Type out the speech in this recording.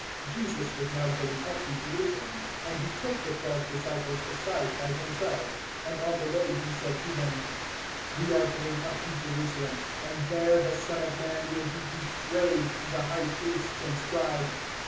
020:017 Jesus was now going up to Jerusalem, and He took the twelve disciples aside by themselves, and on the way He said to them, 020:018 "We are going up to Jerusalem, and there the Son of Man will be betrayed to the High Priests and Scribes.